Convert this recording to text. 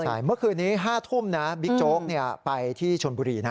ใช่เมื่อคืนนี้๕ทุ่มนะบิ๊กโจ๊กไปที่ชนบุรีนะ